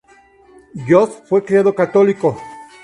Jost fue criado católico.